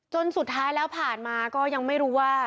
สุดท้ายแล้วผ่านมาก็ยังไม่รู้ว่า